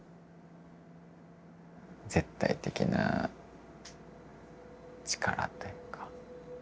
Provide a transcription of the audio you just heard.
絶対的な力というか。